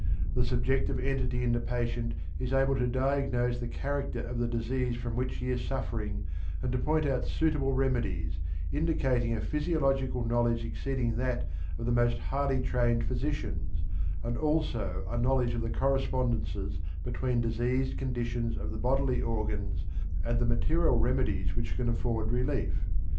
The subjective entity in the patient is able to diagnose the character of the disease from which he is suffering and to point out suitable remedies, indicating a physiological knowledge exceeding that of the most highly trained physicians, and also a knowledge of the correspondences between diseased conditions of the bodily organs and the material remedies which can afford relief.